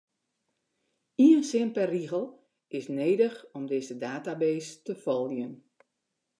Ien sin per rigel is nedich om dizze database te foljen.